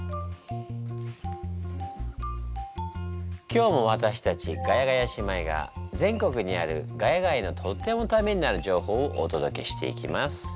今日も私たちガヤガヤ姉妹が全国にある「ヶ谷街」のとってもタメになる情報をおとどけしていきます。